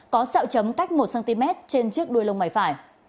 có sẹo chấm cách một cm trên chiếc đuôi lông mày phải